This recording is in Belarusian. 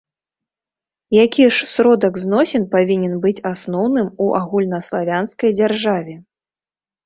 Які ж сродак зносін павінен быць асноўным у агульнаславянскай дзяржаве?